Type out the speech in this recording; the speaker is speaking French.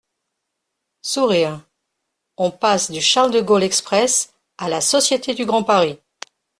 (Sourires.) On passe du Charles-de-Gaulle Express à la Société du Grand Paris.